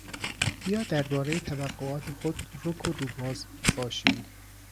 بیا دربارهی توقعات خود رک و روباز باشیم.